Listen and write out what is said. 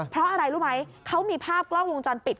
เพราะอะไรรู้ไหมเขามีภาพกล้องวงจรปิด